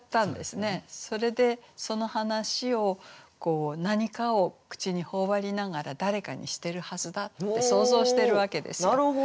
それでその話を何かをくちにほおばりながら誰かにしてるはずだって想像してるわけですよ。